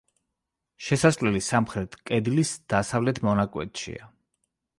შესასვლელი სამხრეთ კედლის დასავლეთ მონაკვეთშია.